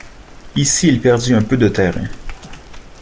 Ici il perdit un peu de terrain.